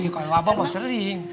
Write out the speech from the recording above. kalau abang sering